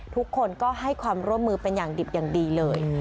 ทุกคนก็ให้ความร่วมมือเป็นอย่างดิบอย่างดีเลย